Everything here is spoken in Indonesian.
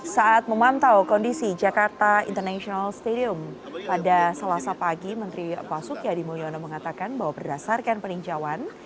saat memantau kondisi jakarta international stadium pada selasa pagi menteri pasuki adi mulyono mengatakan bahwa berdasarkan peninjauan